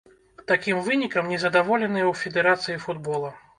Такім вынікам не задаволеныя ў федэрацыі футбола.